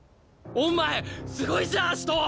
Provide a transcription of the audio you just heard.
お前すごいじゃアシト！